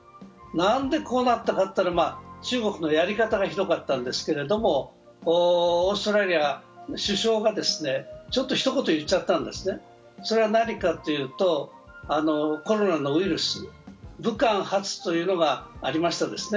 何でこうなったかというと中国のやり方がひどかったんですけれどもオーストラリアの首相がちょっと一言言っちゃったんですね、それは何かというと、コロナのウイルス、武漢発というのがありましたですね。